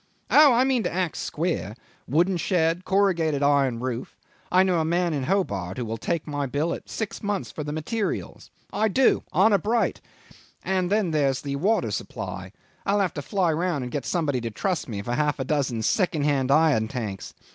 Oh! I mean to act square: wooden shed, corrugated iron roof I know a man in Hobart who will take my bill at six months for the materials. I do. Honour bright. Then there's the water supply. I'll have to fly round and get somebody to trust me for half a dozen second hand iron tanks.